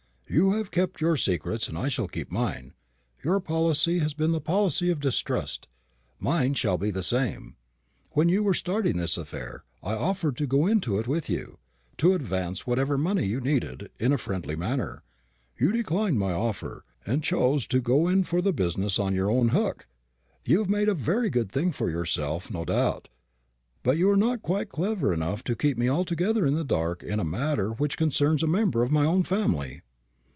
"You have kept your secrets, and I shall keep mine. Your policy has been the policy of distrust. Mine shall be the same. When you were starting this affair, I offered to go into it with you to advance whatever money you needed, in a friendly manner. You declined my offer, and chose to go in for the business on your own hook. You have made a very good thing for yourself, no doubt; but you are not quite clever enough to keep me altogether in the dark in a matter which concerns a member of my own family."